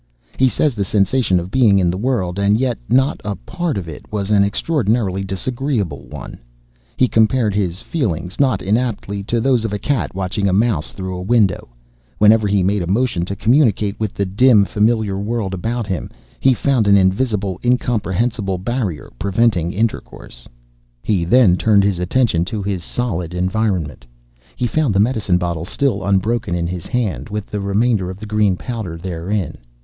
He says the sensation of being in the world, and yet not a part of it, was an extraordinarily disagreeable one. He compared his feelings, not inaptly, to those of a cat watching a mouse through a window. Whenever he made a motion to communicate with the dim, familiar world about him, he found an invisible, incomprehensible barrier preventing intercourse. He then turned his attention to his solid environment. He found the medicine bottle still unbroken in his hand, with the remainder of the green powder therein.